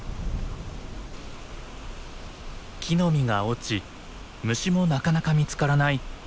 木の実が落ち虫もなかなか見つからない